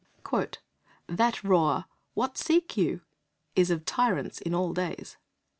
"… That roar, 'What seek you?' is of tyrants in all days."